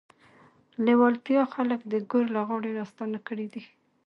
لېوالتیا خلک د ګور له غاړې راستانه کړي دي